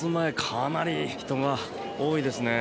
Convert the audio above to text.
改札前、かなり人が多いですね。